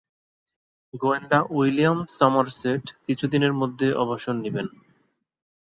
গোয়েন্দা "William Somerset" কিছুদিনের মধ্যেই অবসর নেবেন।